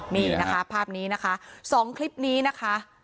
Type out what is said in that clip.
มีอีกภาพนี้นะคะสองคลิปนี้นะคะ